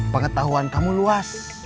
pengetahuan kamu luas